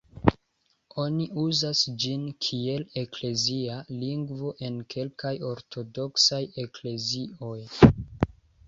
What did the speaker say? Oni uzas ĝin kiel eklezia lingvo en kelkaj Ortodoksaj eklezioj.